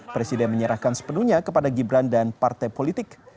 presiden menyerahkan sepenuhnya kepada gibran dan partai politik